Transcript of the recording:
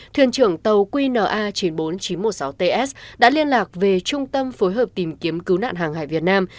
thuyền trưởng tàu qna chín mươi bốn nghìn chín trăm một mươi sáu ts đã liên lạc về trung tâm phối hợp tìm kiếm cứu nạn hàng hải việt nam